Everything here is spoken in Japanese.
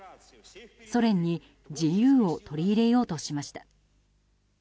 ソ連に自由を取り入れようとしました。